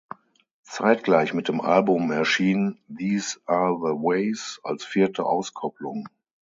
Zeitgleich mit dem Album erschien "These Are the Ways" als vierte Auskopplung.